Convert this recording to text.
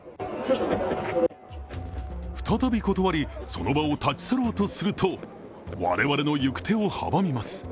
再び断り、その場を立ち去ろうとすると我々の行く手を阻みます。